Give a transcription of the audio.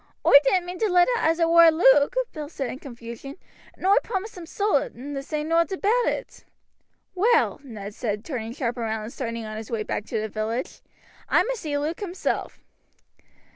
"Oi didn't mean to let out as it waar Luke," Bill said in confusion; "and oi promised him solemn to say nowt about it." "Well," Ned said, turning sharp round and starting on his way back to the village, "I must see Luke himself."